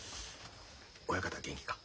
親方元気か？